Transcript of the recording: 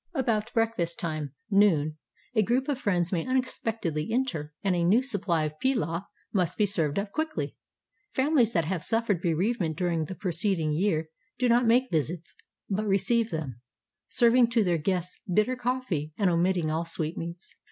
About breakfast time (noon) a group of friends may unexpectedly enter, and a new supply of pilaw must be served up quickly. Families that have suffered bereavement during the preceding year do not make visits, but receive them, serving to their guests bitter coffee and omitting all sweetmeats.